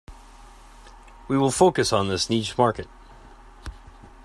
We will focus on this niche market.